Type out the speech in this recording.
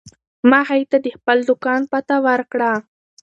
ما هغې ته د خپل دوکان پته ورکړه.